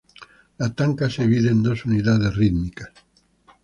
La tanka se divide en dos unidades rítmicas.